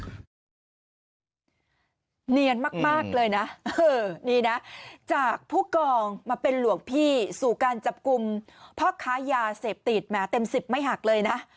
เนียนมากเลยนะนี่นะจากผู้กองมาเป็นหลวงพี่สู่การจับกลุ่มพ่อค้ายาเสพติดแหมเต็มสิบไม่หักเลยนะ